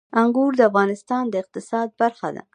انګور د افغانستان د اقتصاد برخه ده.